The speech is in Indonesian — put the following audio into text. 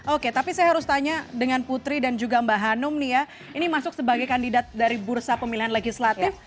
oke tapi saya harus tanya dengan putri dan juga mbak hanum nih ya ini masuk sebagai kandidat dari bursa pemilihan legislatif